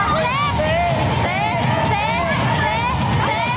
แร่เที่ยวคัว